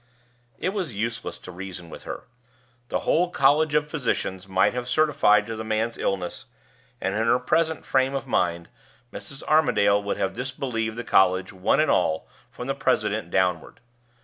It was useless to reason with her. The whole College of Physicians might have certified to the man's illness, and, in her present frame of mind, Mrs. Armadale would have disbelieved the College, one and all, from the president downward.